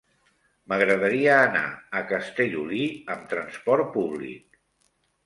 M'agradaria anar a Castellolí amb trasport públic.